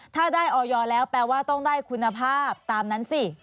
ถ้าได้ออยแล้วแปลว่าต้องได้คุณภาพตามนั้นสิ